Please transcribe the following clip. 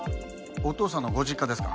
お父さんのご実家ですか？